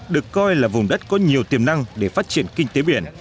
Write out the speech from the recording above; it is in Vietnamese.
được coi là vùng đất có nhiều tiềm năng để phát triển kinh tế biển